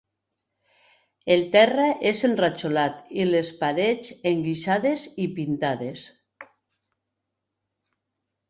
El terra és enrajolat i les parets enguixades i pintades.